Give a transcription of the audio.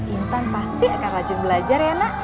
intan pasti akan rajin belajar ya nak